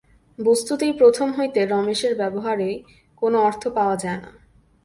বস্তুতই প্রথম হইতেই রমেশের ব্যবহারের কোনো অর্থ পাওয়া যায় না।